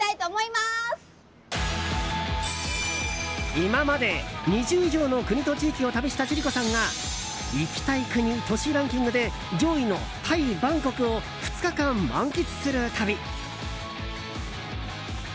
今まで２０以上の国と地域を旅した千里子さんが行きたい国・都市ランキングで上位のタイ・バンコクを２日間満喫する旅。